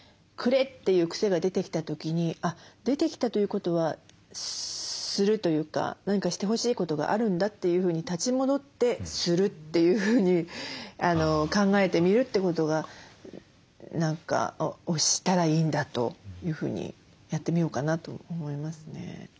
「くれ」っていうクセが出てきた時にあっ出てきたということは「する」というか何かしてほしいことがあるんだというふうに立ち戻って「する」というふうに考えてみるってことが何かをしたらいいんだというふうにやってみようかなと思いますね。